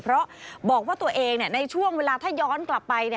เพราะบอกว่าตัวเองในช่วงเวลาถ้าย้อนกลับไป